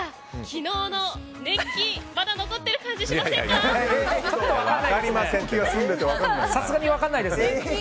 昨日の熱気まだ残ってる感じしませんか？